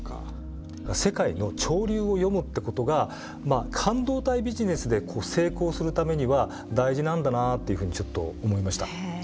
世界の潮流を読むってことが半導体ビジネスで成功するためには大事なんだなっていうふうにちょっと思いました。